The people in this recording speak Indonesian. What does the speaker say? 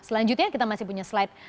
selanjutnya kita masih punya slide